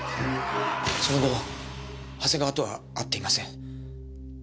その後長谷川とは会っていません。